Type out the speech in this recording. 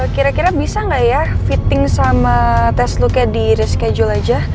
kira kira bisa nggak ya fitting sama test looknya di reschedule aja